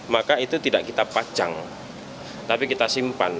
maka itu tidak kita pacang tapi kita simpan